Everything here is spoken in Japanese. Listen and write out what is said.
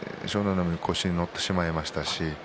海腰に乗ってしまいました。